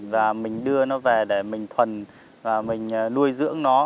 và mình đưa nó về để mình thuần và mình nuôi dưỡng nó